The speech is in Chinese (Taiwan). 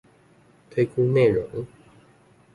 推估內容